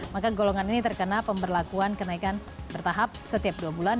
maka golongan ini terkena pemberlakuan kenaikan bertahap setiap dua bulan